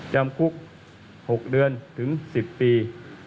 จำคุก๖เดือนถึง๑๐ปี